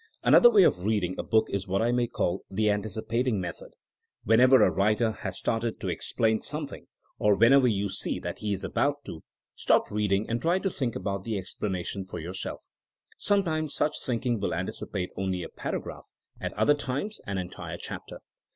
Another way of reading a book is what I may call the anticipating method. Whenever a writer has started to explain something, or 166 THINEINO AS A SOIENOE whenever yon see that he is about to, stop read ing and try to think out the explanation for yourself. Sometimes such thinking will antici pate only a paragraph, at other times an entire chapter.